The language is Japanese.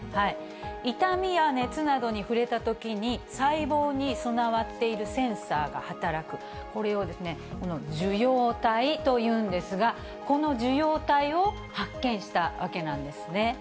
痛みや熱などに触れたときに、細胞に備わっているセンサーが働く、これを、受容体というんですが、この受容体を発見したわけなんですね。